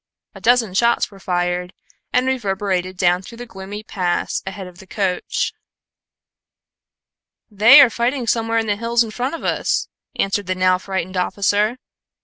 A dozen shots were fired, and reverberated down through the gloomy pass ahead of the coach. "They are fighting somewhere in the hills in front of us," answered the now frightened officer.